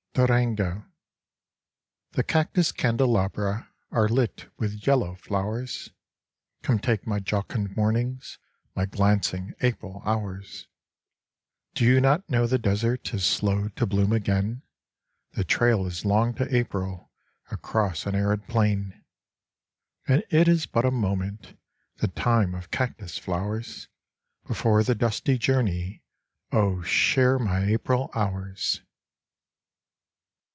79 Durango DURANGO The cactus candelabra Are lit with yellow flowers. Come take my jocund mornings, My glancing April hours ! Do you not know the desert Is slow to bloom again? The trail is long to April Across an arid plain, And it is but a moment, The time of cactus flowers : Before the dusty journey Oh, share my April hours